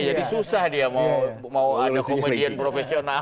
jadi susah dia mau ada komedian profesional